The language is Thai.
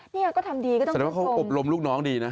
เนี่ยก็ทำดีก็ต้องแสดงว่าเขาอบรมลูกน้องดีนะ